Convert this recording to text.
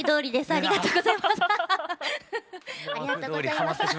ありがとうございます。